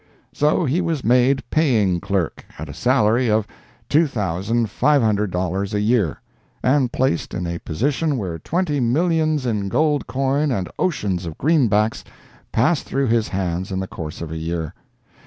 So he was made paying clerk, at a salary of $2,500 a year, and placed in a position where twenty millions in gold coin and oceans of greenbacks passed through his hands in the course of a year.